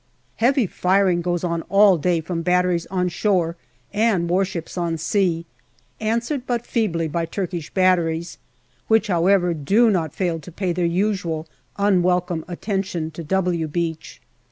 Heavy firing goes on all day from batteries on shore and warships on sea, answered but feebly by Turkish batteries, which, however, do not fail to pay their usual unwelcome attention to " W " Beach.